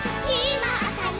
まったね！